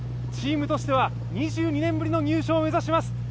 チームとしては２２年ぶりの入賞を目指します。